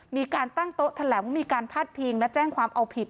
มีการตั้งโต๊ะแถลงว่ามีการพาดพิงและแจ้งความเอาผิด